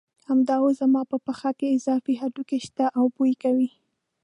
همدا اوس زما په پښه کې اضافي هډوکي شته او بوی کوي.